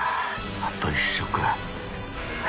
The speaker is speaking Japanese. あと１食や。